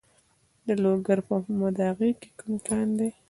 د لوګر په محمد اغه کې کوم کان دی؟